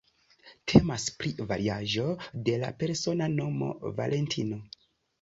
Temas pri variaĵo de la persona nomo "Valentino".